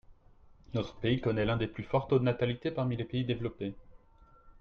Notre pays connaît l’un des plus forts taux de natalité parmi les pays développés.